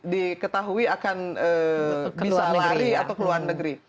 diketahui akan bisa lari atau keluar negeri